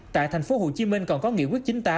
tại thành phố hồ chí minh còn có nghị quyết chín mươi tám